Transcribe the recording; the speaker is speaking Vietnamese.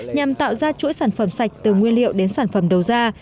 nhằm tạo ra chuỗi sản phẩm sạch từ nguyên liệu đến sản phẩm đầu ra